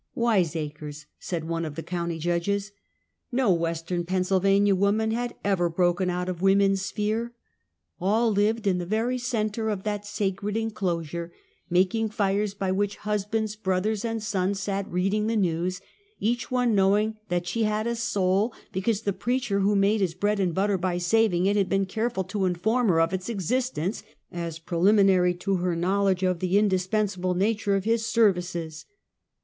Wiseacres said, one of the county judges. No western Pennsylvania wom an had ever broken out of woman's sphere. All lived in the very centre of that sacred enclosure, making tires by which husbands, brothers and sons sat reading the news; each one knowing that she had a soul, be cause the preacher who made his bread and butter by saving it had been careful to inform her of its exist ence as preliminary to her knowledge of the indispen sable nature of his services.